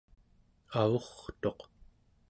avurtuq